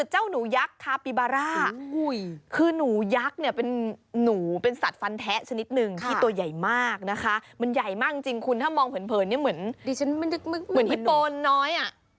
เหมือนแต่จริงหน้ามันจะทั่วหน่อย